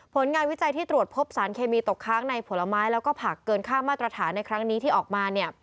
ผลงานวิจัยที่ตรวจพบสารเคมีตกค้างในผลไม้แล้วก็ผักเกินค่ามาตรฐานในครั้งนี้ที่ออกมา